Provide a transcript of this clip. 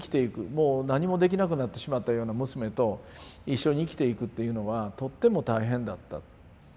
もう何もできなくなってしまったような娘と一緒に生きていくっていうのはとっても大変だった。